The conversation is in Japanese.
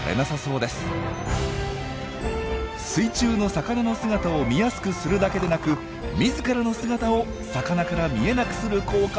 水中の魚の姿を見やすくするだけでなく自らの姿を魚から見えなくする効果まであったとは！